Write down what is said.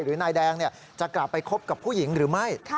นายแดงจะกลับไปคบกับผู้หญิงหรือไม่